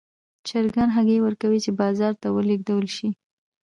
چرګان هګۍ ورکوي چې بازار ته ولېږدول شي.